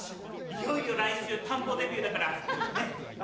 いよいよ来週田んぼデビューだから。